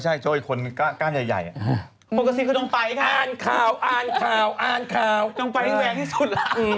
เขาต้องไปอ้านเขาต้องไปแวงที่สุด